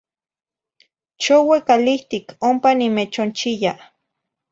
Choue calihtic ompa nimechonchiya